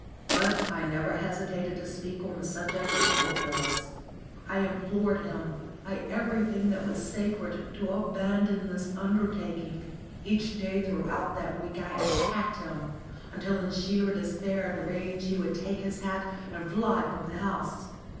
But I never hesitated to speak on the subject of poor Phyllis. I implored him, by everything that was sacred, to abandon this undertaking. Each day throughout that week I attacked him, until in sheer despair and rage he would take his hat and fly from the house.